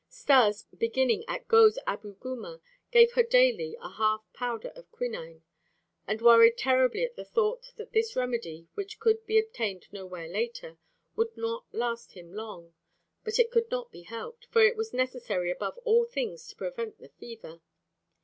Stas, beginning at Gôz Abu Guma, gave her daily a half powder of quinine and worried terribly at the thought that this remedy, which could be obtained nowhere later, would not last him long. But it could not be helped, for it was necessary above all things to prevent the fever.